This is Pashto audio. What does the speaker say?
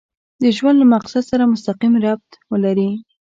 د ژوند له مقصد سره مسقيم ربط ولري.